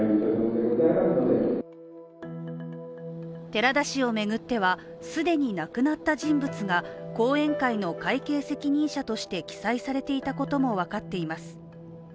寺田氏を巡っては、既に亡くなった人物が後援会の会計責任者として記載されていたことも分かっています。